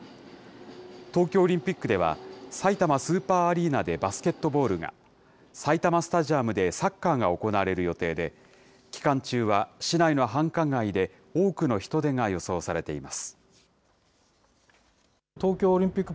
東京オリンピックでは、さいたまスーパーアリーナでバスケットボールが、埼玉スタジアムでサッカーが行われる予定で、期間中は市内の繁華街で、多くの人出が予想されています。